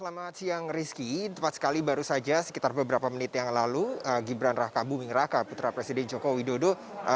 selamat siang rizky tepat sekali baru saja sekitar beberapa menit yang lalu gibran raka buming raka putra presiden joko widodo